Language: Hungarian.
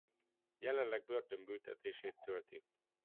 Jelenleg börtönbüntetését tölti.